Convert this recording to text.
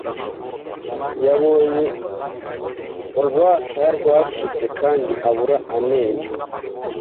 Yabonye urwasaya rwacitse kandi abura amenyo.